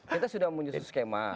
kita sudah menuju skema